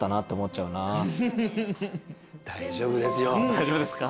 大丈夫ですか？